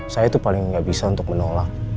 saya itu paling nggak bisa untuk menolak